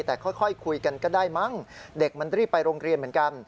แต่ค่อยคุยกันก็ได้มั้งเด็กมันรีบไปโรงเรียนเหมือนกัน